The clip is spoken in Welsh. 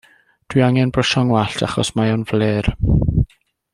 Dw i angen brwsio 'y ngwallt achos mae o'n flêr.